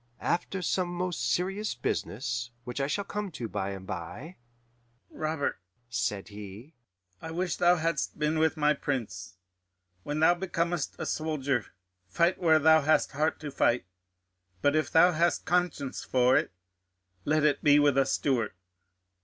After some most serious business, which I shall come to by and bye, 'Robert,' said he, 'I wish thou hadst been with my Prince. When thou becomest a soldier, fight where thou hast heart to fight; but if thou hast conscience for it, let it be with a Stuart.